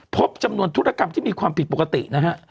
พบจำนวนธุรกรรมที่มีความผิดปกตินะฮะ